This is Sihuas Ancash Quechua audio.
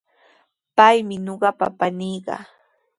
Paymi ñuqaqapa paniiqa.